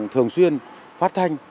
thường xuyên phát thanh